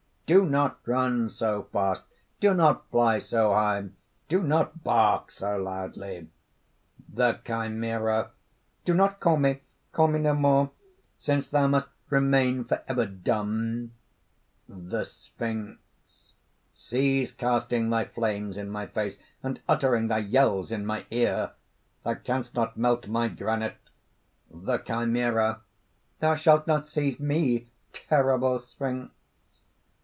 "Do not run so fast, do not fly so high, do not bark so loudly!" THE CHIMERA. "DO not call me! call me no more; since thou must remain forever dumb." THE SPHINX. "Cease casting thy flames in my face, and uttering thy yells in my ear: thou canst not melt my granite." THE CHIMERA. "Thou shalt not seize me, terrible sphinx!"